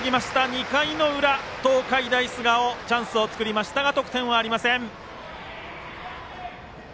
２回裏東海大菅生チャンスを作りましたが得点はありません。